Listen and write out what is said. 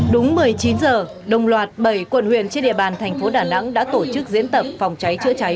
đúng một mươi chín giờ đồng loạt bảy quận huyện trên địa bàn thành phố đà nẵng đã tổ chức diễn tập phòng cháy chữa cháy